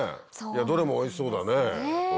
どれもおいしそうだねぇ。